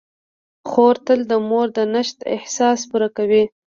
خور تل د مور د نشت احساس پوره کوي.